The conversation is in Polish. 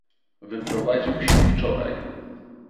"Wyprowadził się wczoraj."